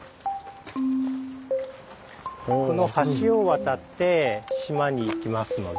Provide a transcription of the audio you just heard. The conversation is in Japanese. この橋を渡って島に行きますので。